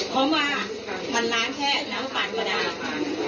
เพราะว่ามัยล้างแค่น้ำผัดมาได้